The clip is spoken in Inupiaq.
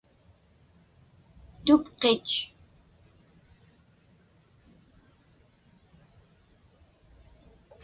tupqit